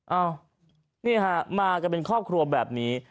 อ้าวนี่ฮะมากันเป็นครอบครัวแบบนี้